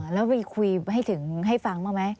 แล้วที่คุยให้เชิงให้ฟังมากไหม